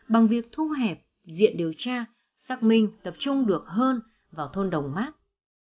bằng việc thu hẹp diện điều tra xác minh tập trung được hơn vào thôn đồng mát